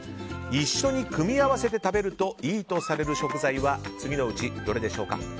一緒に組み合わせると良いとされる食材はどれでしょうか。